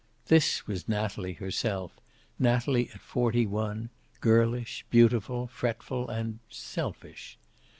This was Natalie herself, Natalie at forty one, girlish, beautiful, fretful and selfish.